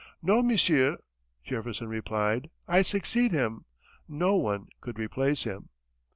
"No, monsieur," Jefferson replied, "I succeed him. No one could replace him."